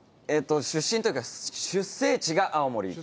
出身というか、出生地が青森。